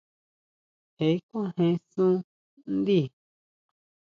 Je kjuajen sun ndí.